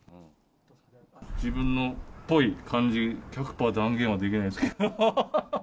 自分のっぽい感じ、１００パー断言はできないですけど。